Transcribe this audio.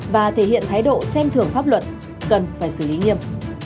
và thể hiện thái độ xem thưởng pháp luật cần phải xử lý nghiêm